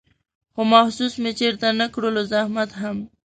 خو محسوس مې چېرته نه کړلو زحمت هم